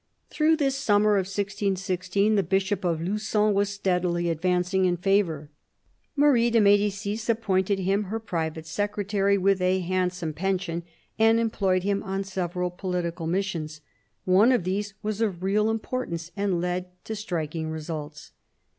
Through this summer of 1616, the Bishop of Lugon was steadily advancing in favour. Marie de M^dicis appointed him her private secretary, with a handsome pension, and employed him on several political missions. One of these was of real importance and led to striking results.